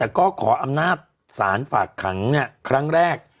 แต่ก็ขออำนาจศาลฝากขังครั้งแรก